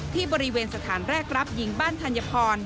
ที่บริเวณสถานแรกรับหญิงบ้านธัญพร